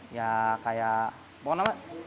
ya kayak pokoknya apa